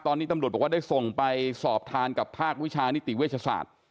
ตอนนี้ตำรวจบอกว่าได้ส่งไปสอบทานกับภาควิชานิติเวชศาสตร์